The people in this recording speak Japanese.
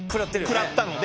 食らったので。